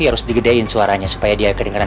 harus digedein suaranya supaya dia kedengeran